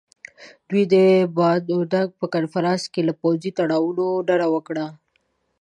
دوی د باندونک په کنفرانس کې له پوځي تړونونو ډډه وکړه.